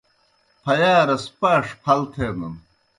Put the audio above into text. پھیارَس پاݜ پھل تھینَن۔